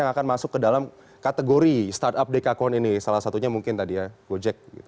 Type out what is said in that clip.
yang akan masuk ke dalam kategori startup dekacorn ini salah satunya mungkin tadi ya gojek